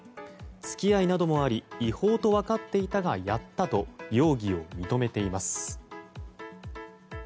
付き合いなどもあり違法と分かっていたがやったと容疑を認めています。